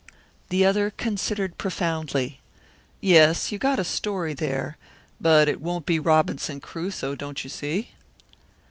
The other considered profoundly. "Yes, you got a story there, but it won't be Robinson Crusoe, don't you see?"